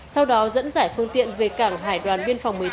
sau đó dẫn giải phương tiện về cảng hải đoàn biên phòng một mươi chín